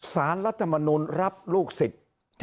สารรัฐมนุนรับลูกศิษย์